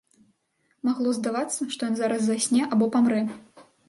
Магло здавацца, што ён зараз засне або памрэ.